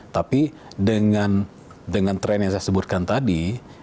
tapi dengan tren yang saya sebutkan tadi